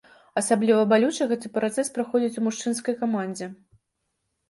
Асабліва балюча гэты працэс праходзіць у мужчынскай камандзе.